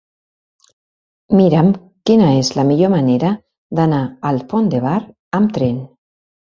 Mira'm quina és la millor manera d'anar al Pont de Bar amb tren.